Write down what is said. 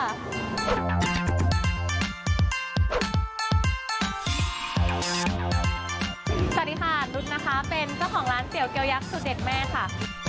สวัสดีค่ะรุ๊ดนะคะเป็นเจ้าของร้านเกี๊ยวยักษ์สูตรเด็ดแม่ค่ะ